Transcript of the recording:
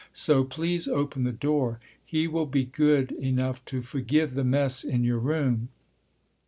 So please open the door. He will be good enough to forgive the mess in your room."